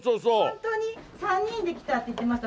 ホントに３人で来たって言ってました。